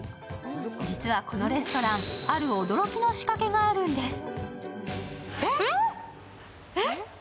実はこのレストラン、ある驚きの仕掛けがあるんです。